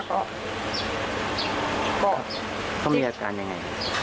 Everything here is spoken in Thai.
ก็เขามีอาการยังไง